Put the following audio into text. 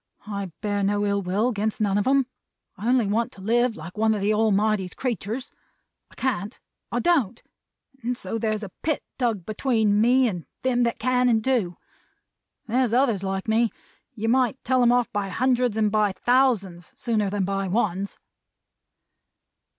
I bear no ill will against none of 'em. I only want to live like one of the Almighty's creeturs. I can't I don't and so there's a pit dug between me, and them that can and do. There's others like me. You might tell 'em off by hundreds and by thousands, sooner than by ones."